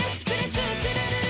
スクるるる！」